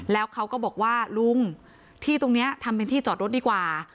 แล้วเขาก็บอกว่าลุงที่ตรงนี้ทำเป็นที่จอดรถดีกว่า